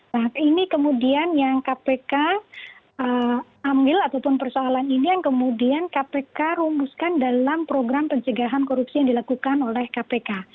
nah ini kemudian yang kpk ambil ataupun persoalan ini yang kemudian kpk rumuskan dalam program pencegahan korupsi yang dilakukan oleh kpk